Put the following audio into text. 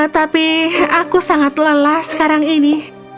tapi aku sangat lelah sekarang ini